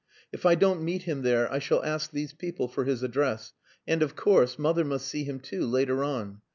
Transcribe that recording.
If I don't meet him there I shall ask these people for his address. And, of course, mother must see him too, later on.